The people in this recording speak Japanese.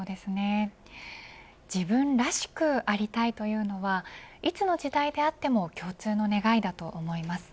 自分らしくありたいというのはいつの時代であっても共通の願いだと思います。